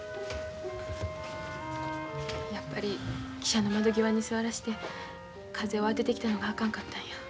やっぱり汽車の窓際に座らして風を当ててきたのがあかんかったんや。